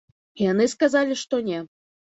Яны сказалі, што не.